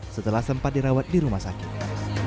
setelah sempat dirawat di rumah sakit